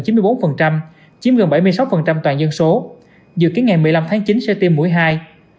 chiếm gần bảy mươi sáu toàn dân số dự kiến ngày một mươi năm tháng chín sẽ tiêm mũi hai